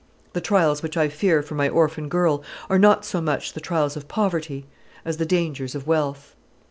The trials which I fear for my orphan girl are not so much the trials of poverty as the dangers of wealth.